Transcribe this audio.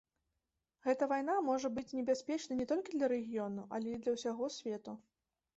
Гэта вайна можа быць небяспечнай не толькі для рэгіёну, але і для ўсяго свету.